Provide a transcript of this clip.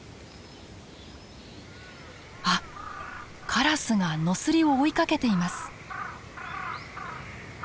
あっカラスがノスリを追いかけています。